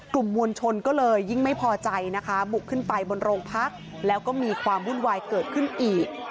กลุ่มมวลชนก็เลยยิ่งไม่พอใจนะคะบุกขึ้นไปบนโรงพักแล้วก็มีความวุ่นวายเกิดขึ้นอีก